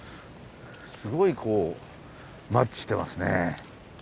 すごいこうマッチしてますね。